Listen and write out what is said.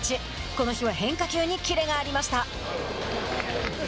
この日は変化球にキレがありました。